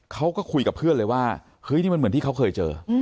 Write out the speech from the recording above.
เขาก็คุยกับเพื่อนเลยว่าเฮ้ยนี่มันเหมือนที่เขาเคยเจอ